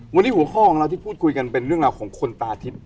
วันนี้หัวข้อของเราที่พูดคุยกันเป็นเรื่องราวของคนตาทิพย์